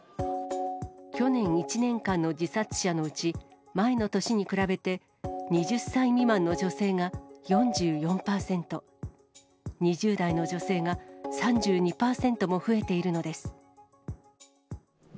去年一年間の自殺者のうち、前の年に比べて２０歳未満の女性が４４％、２０代の女性が３２％も増えているのです。